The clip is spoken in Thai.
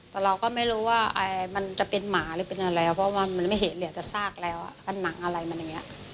แต่เราก็ไม่รู้ว่ามันจะเป็นหมาหรือเป็นอะไรเพราะว่ามันไม่เหลือจะซากแล้วแล้วก็หนังอะไรแบบนี้